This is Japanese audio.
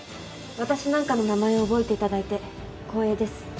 私なんかの名前を覚えていただいて光栄です。